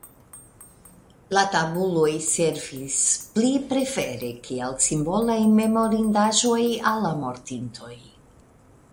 La tabuloj servis pli prefere kiel simbolaj memorindaĵoj al la mortintoj.